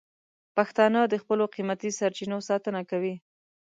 پښتانه د خپلو قیمتي سرچینو ساتنه کوي.